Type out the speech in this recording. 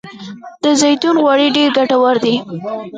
د زیتون غوړي ډیر ګټور دي.